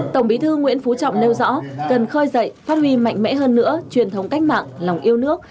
tổng bí thư nguyễn phú trọng nêu rõ cần khơi dậy phát huy mạnh mẽ hơn nữa truyền thống cách mạng lòng yêu nước